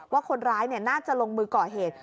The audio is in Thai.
ว่าคนร้ายน่าจะลงมือก่อเหตุ